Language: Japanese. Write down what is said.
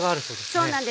そうなんです。